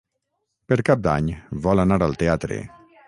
Per Cap d'Any vol anar al teatre.